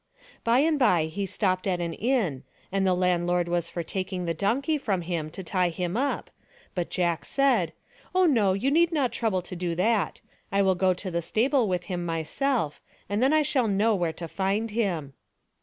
By and by he stopped at an inn, and the landlord was for taking the donkey from him to tie him up, but Jack said, " Oh, no, you need not trouble to do that. I will go to the stable with him myself, and then I shall know where to find him."